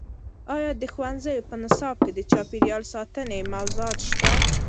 ایا د ښوونځیو په نصاب کې د چاپیریال ساتنې موضوعات شته؟